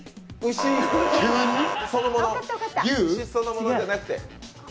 牛そのものじゃなくて。